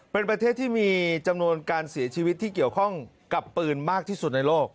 เป็นประเทศที่มีจำนวนการเสียชีวิตที่เกี่ยวข้องกับปืนมากที่สุดในโลก